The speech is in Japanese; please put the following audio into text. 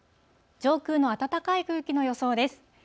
上空の暖かい空気の予想です。